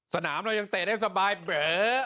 สนามเรายังเตะได้สบายเผลอ